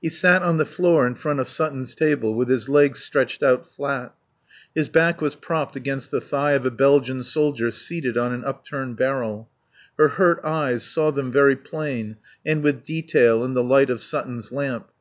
He sat on the floor in front of Sutton's table with his legs stretched out flat. His back was propped against the thigh of a Belgian soldier seated on an upturned barrel. Her hurt eyes saw them very plain and with detail in the light of Sutton's lamp.